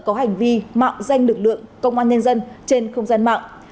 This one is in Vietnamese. có hành vi mạo danh lực lượng công an nhân dân trên không gian mạng